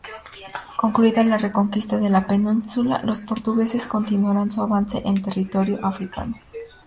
Concluida la reconquista de la península, los portugueses continuarán su avance en territorio africano.